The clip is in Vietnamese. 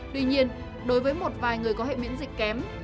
tuy nhiên đối với một vài người có hệ miễn dịch kém